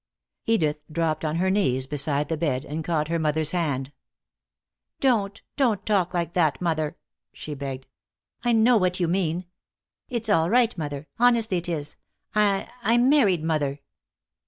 Edith dropped on her knees beside the bed, and caught her mother's hand. "Don't! Don't talk like that, mother," she begged. "I know what you mean. It's all right, mother. Honestly it is. I I'm married, mother."